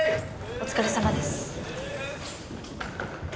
お疲れさまです。